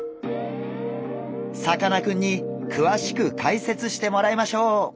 さかなクンにくわしく解説してもらいましょう！